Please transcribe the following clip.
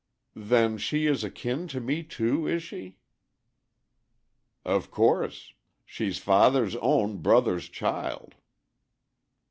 "Then she is akin to me too, is she?" "Of course. She's father's own brother's child."